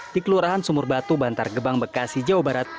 di kelurahan sumur batu bantar gebang bekasi jawa barat